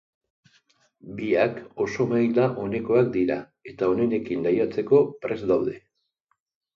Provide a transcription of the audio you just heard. Biak oso maila onekoak dira eta onenekin lehiatzeko prest daude.